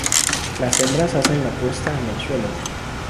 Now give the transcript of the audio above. Las hembras hacen la puesta en el suelo.